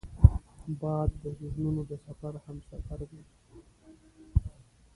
باد د ذهنونو د سفر همسفر دی